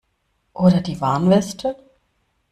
Oder die Warnweste?